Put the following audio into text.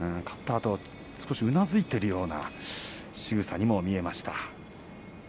勝ったあとうなずいているようなしぐさにも見えました。